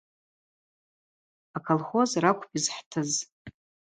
Аколхоз ракӏвпӏ йызхӏтыз.